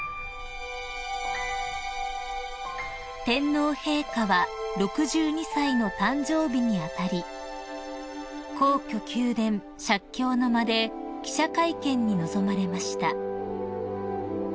［天皇陛下は６２歳の誕生日に当たり皇居宮殿石橋の間で記者会見に臨まれました］